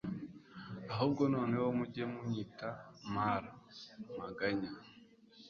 ahubwo noneho mujye munyita mara (maganya)